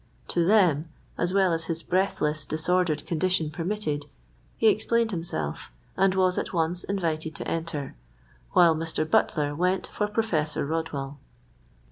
To them, as well as his breathless, disordered condition permitted, he explained himself, and was at once invited to enter, while Mr. Butler went for Professor Rodwell.